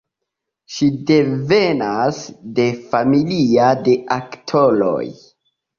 Ŝi devenas de familia de aktoroj.